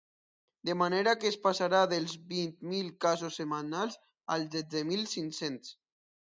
De manera que es passarà dels vint mil casos setmanals a setze mil cinc-cents.